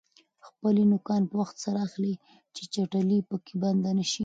خپلې نوکان په وخت سره اخلئ چې چټلي پکې بنده نشي.